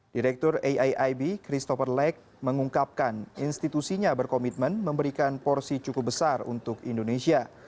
direktur aiib christopher lake mengungkapkan institusinya berkomitmen memberikan porsi cukup besar untuk indonesia